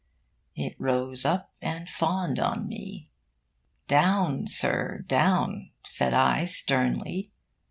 It rose up and fawned on me. 'Down, Sir, down!' said I sternly.